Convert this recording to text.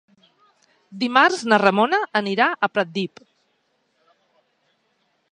Dimarts na Ramona anirà a Pratdip.